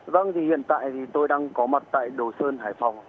vâng hiện tại tôi đang có mặt tại đồ sơn hải phòng